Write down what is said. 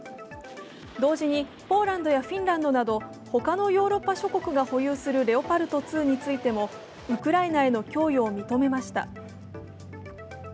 同時にポーランドやフィンランドなど他のヨーロッパ諸国が保有するレオパルト２についてもウクライナへの供与を認めました。